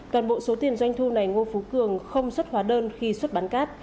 toàn bộ số tiền doanh thu này ngô phú cường không xuất hóa đơn khi xuất bán cát